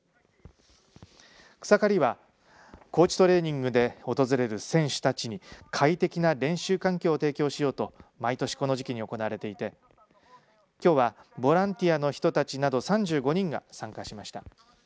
草刈りは高地トレーニングで訪れる選手たちに快適な練習環境を提供しようと毎年この時期に行われていてきょうはボランティアの人たちなど３５人が参加しました。